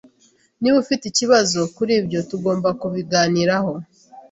Niba ufite ikibazo kuri ibyo, tugomba kubiganiraho.